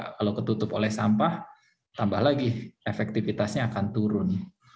kalau ketutup oleh sampah tambah lagi efektivitasnya akan turun